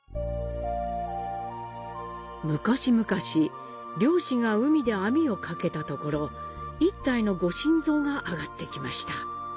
昔々、漁師が海で網をかけたところ一体の御神像が上がってきました。